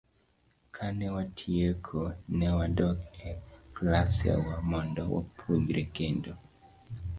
Kane watieko, ne wadok e klasewa mondo wapuonjre kendo.